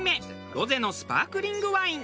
ロゼのスパークリングワイン。